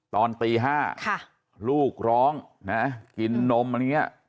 ตอนตี๕ลูกร้องนะกินนมอะไรอย่างนี้